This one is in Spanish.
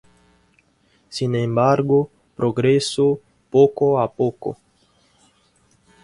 Sin embargo, progresó poco a poco.